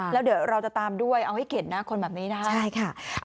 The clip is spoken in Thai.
แล้วเดี๋ยวเราจะตามด้วยเอาให้เข็ดนะคนแบบนี้นะคะใช่ค่ะ